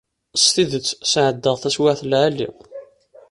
S tidet sɛeddaɣ taswiɛt n lɛali.